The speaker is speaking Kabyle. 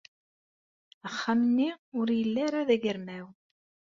Axxam-nni ur yelli ara d agermaw.